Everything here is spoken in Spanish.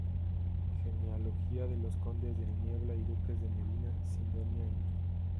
Genealogía de los condes de Niebla y duques de Medina Sidonia en